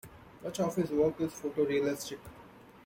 Much of his work is photorealistic.